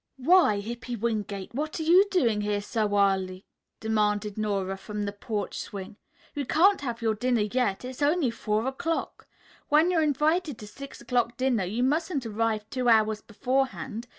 "Why, Hippy Wingate, what are you doing here so early?" demanded Nora, from the porch swing. "You can't have your dinner yet. It's only four o'clock. When you're invited to six o'clock dinner you mustn't arrive two hours beforehand.